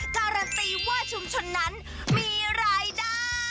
การันตีว่าชุมชนนั้นมีรายได้